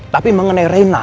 tapi mengenai reina